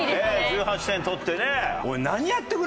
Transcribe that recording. １８点取ってね。